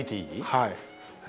はい。